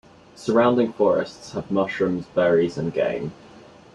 Surrounding forests have mushrooms, berries and game.